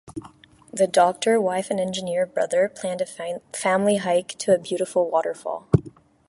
The doctor wife and engineer brother planned a family hike to a beautiful waterfall.